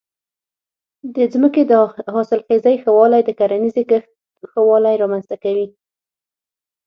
د ځمکې د حاصلخېزۍ ښه والی د کرنیزې کښت ښه والی رامنځته کوي.